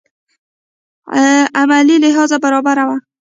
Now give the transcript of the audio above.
عملي لحاظ برابره وه.